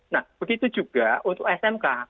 nah begitu juga untuk smk